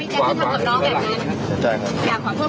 รู้ทุกอย่าง